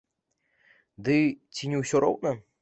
Ды ці не ўсё роўна?